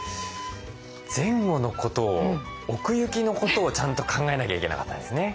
前後のことを奥行きのことをちゃんと考えなきゃいけなかったですね。